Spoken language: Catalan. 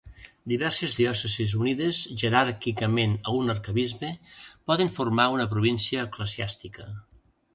Diverses diòcesis unides jeràrquicament a un arquebisbe poden formar una província eclesiàstica.